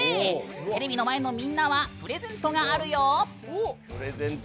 テレビの前のみんなはプレゼントがあるよ。